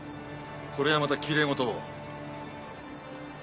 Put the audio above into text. これはまたきれい事を。